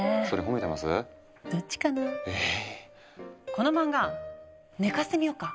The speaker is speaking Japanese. この漫画寝かしてみようか？